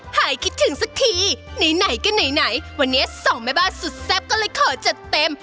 หายคิดถึงสักทีไหนก็ไหนวันนี้สองแม่บ้านสุดแซ่บก็เลยขอจัดเต็ม